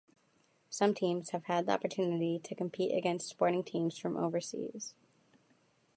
Some teams have had the opportunity to compete against sporting teams from overseas.